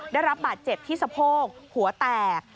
ได้รับบาดเจ็บที่สะโพกหัวแตก